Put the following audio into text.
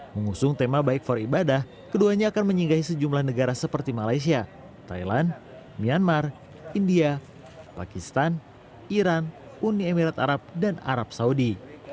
mengusung tema baik for ibadah keduanya akan menyinggahi sejumlah negara seperti malaysia thailand myanmar india pakistan iran uni emirat arab dan arab saudi